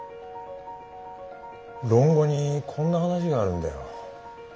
「論語」にこんな話があるんだよ。